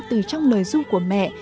từ trong lời ru của mẹ